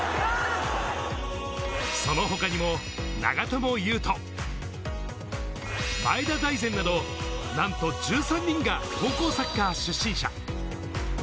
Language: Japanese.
その他にも、長友佑都、前田大然などなんと１３人が高校サッカー出身者。